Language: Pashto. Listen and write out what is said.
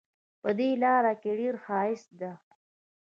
په دې لاره کې ډېر ښایست ده